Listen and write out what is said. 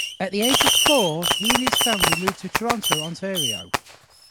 At the age of four, he and his family moved to Toronto, Ontario.